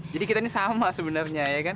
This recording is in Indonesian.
jadi kita ini sama sebenarnya ya kan